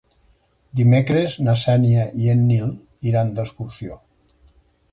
Dimecres na Xènia i en Nil iran d'excursió.